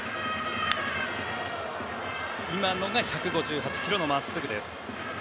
今のが１５８キロのまっすぐです。